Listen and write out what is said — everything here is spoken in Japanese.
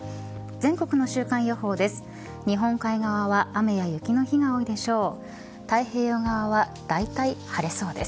全国の週間予報です。